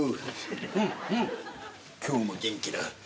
今日も元気だ。